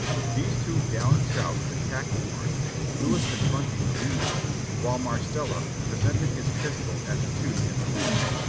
These two gallant scouts attacked the party, Lewis confronting the leading two, while Marstella presented his pistol at the two in the rear.